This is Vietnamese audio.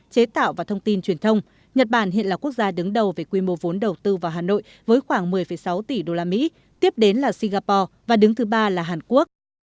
chế tạo và thông tin truyền thông nhật bản hiện là quốc gia đứng đầu về quy mô vốn đầu tư vào hà nội với khoảng một mươi sáu tỷ usd tiếp đến là singapore và đứng thứ ba là hàn quốc